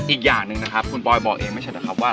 อีกอย่างหนึ่งนะครับคุณปอยบอกเองไม่ใช่นะครับว่า